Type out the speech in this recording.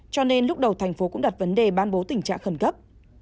cho nên lúc đầu thành phố cũng đặt vấn đề ban bố tình trạng khẩn cấp